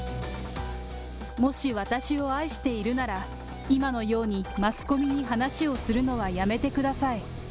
もし私を愛しているなら、今のようにマスコミに話をするのはやめてください。